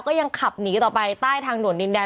ก็ยังขับหนีต่อไปใต้ทางด่วนดินแดน